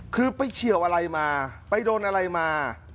คือไปเฉียวอะไรมาไปโดนอะไรมา